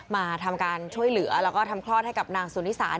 มาทำการช่วยเหลือแล้วก็ทำคลอดให้กับนางสุนิสาน